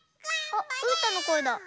あっうーたんのこえだ。